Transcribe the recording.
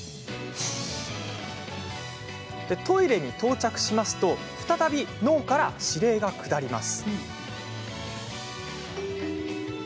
トイレに到着すると再び脳から指令が下ります。